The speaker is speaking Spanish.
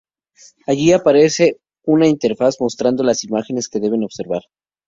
Allí aparece una interfaz mostrando las imágenes que deben observar.